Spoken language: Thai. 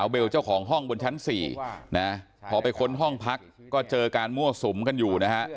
เบลเจ้าของห้องบนชั้น๔นะพอไปค้นห้องพักก็เจอการมั่วสุมกันอยู่นะฮะ